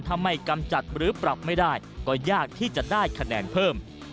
ถ้าไม่กำจัดหรือปรับไม่ได้ก็ยากที่จะได้คะแนนเพิ่ม